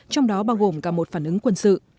trong đó bao gồm cả một phản ứng quân sự